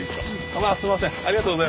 わあすいません。